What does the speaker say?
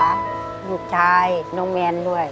อันนี้ให้น้องเมซด้วย